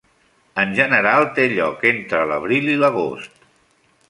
En general, té lloc entre l'abril i l'agost.